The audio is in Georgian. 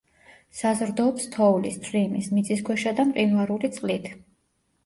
საზრდოობს თოვლის, წვიმის, მიწისქვეშა და მყინვარული წყლით.